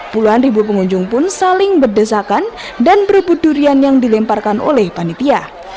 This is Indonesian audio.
puluhan ribu pengunjung pun saling berdesakan dan berebut durian yang dilemparkan oleh panitia